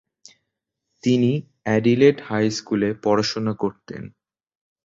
তিনি Adelaide high স্কুলে পড়াশোনা করতেন।